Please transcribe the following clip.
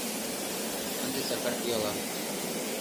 Ынде Сакар пиалан.